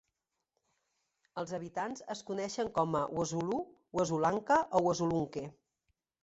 Els habitants es coneixen com a Wassulu, Wassulunka o Wassulunke.